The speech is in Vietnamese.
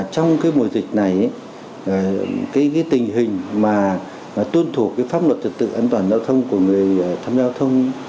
trong mùa dịch này cái tình hình mà tuân thủ pháp luật trật tự an toàn giao thông của người tham gia giao thông